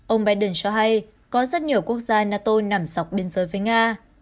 ông biden cho hay có rất nhiều quốc gia nato nằm sọc biên giới với nga